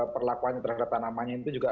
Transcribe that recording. perlakuannya terhadap tanamannya itu juga